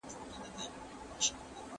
¬ د گونگى په ژبه خپله مور ښه پوهېږي.